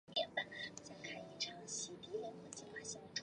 阿尔夏克下布里人口变化图示